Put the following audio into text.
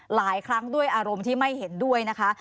หลายครั้งด้วยอารมณ์ที่ไม่เห็นด้วยนะคะ